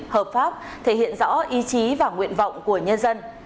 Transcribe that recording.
hợp pháp thể hiện rõ ý chí và nguyện vọng của nhân dân